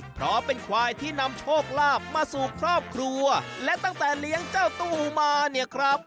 เพราะเป็นควายที่นำโชคลาภมาสู่ครอบครัวและตั้งแต่เลี้ยงเจ้าตู้มาเนี่ยครับ